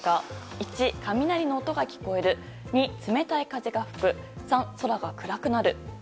１、雷の音が聞こえる２、冷たい風が吹く３、空が暗くなる。